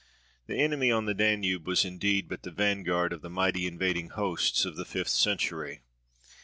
The enemy on the Danube was, indeed, but the vanguard of the mighty invading hosts of the fifth century.